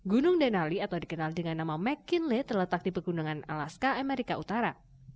gunung denali atau dikenal dengan nama mckinle terletak di pegunungan alaska amerika utara